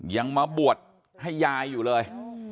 ยังมาบวชให้ยายอยู่เลย